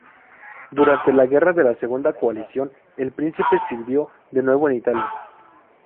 Durante la Guerra de la Segunda Coalición, el príncipe sirvió de nuevo en Italia.